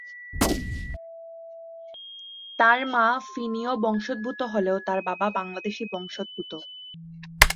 তার মা ফিনীয় বংশোদ্ভূত হলেও তার বাবা বাংলাদেশী বংশোদ্ভূত।